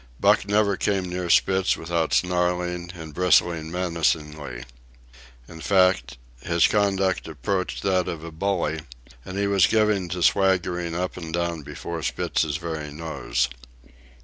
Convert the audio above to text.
Buck never came near Spitz without snarling and bristling menacingly. In fact, his conduct approached that of a bully, and he was given to swaggering up and down before Spitz's very nose.